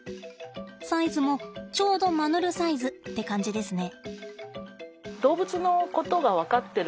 サイズもちょうどマヌルサイズって感じですね。